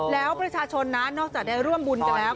แล้วประชาชนนะนอกจากได้ร่วมบุญกันแล้ว